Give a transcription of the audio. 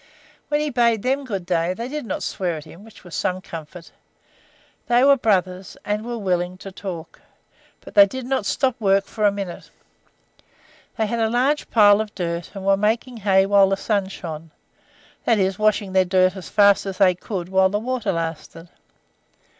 When he bade them good day, they did not swear at him, which was some comfort. They were brothers, and were willing to talk, but they did not stop work for a minute. They had a large pile of dirt, and were making hay while the sun shone that is, washing their dirt as fast as they could while the water lasted.